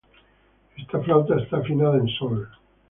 Esta flauta está afinada en Sol.